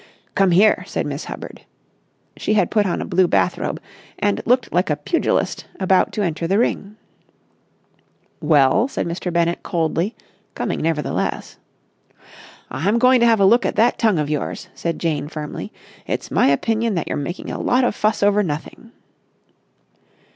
"Come here!" said Miss Hubbard. She had put on a blue bath robe, and looked like a pugilist about to enter the ring. "Well?" said Mr. Bennett coldly, coming nevertheless. "I'm going to have a look at that tongue of yours," said Jane firmly. "It's my opinion that you're making a lot of fuss over nothing."